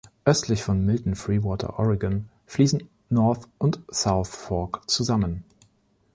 Östlich von Milton-Freewater, Oregon, fließen North und South Fork zusammen.